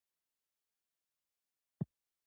لومړۍ مرحلې د تنوع لوړوالی ښيي.